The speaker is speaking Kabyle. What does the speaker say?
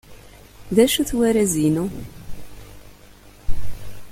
D acu-t warraz-inu?